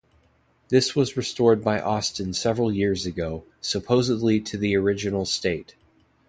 This was restored by Austin several years ago - supposedly to the original state.